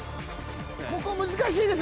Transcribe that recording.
ここ難しいです！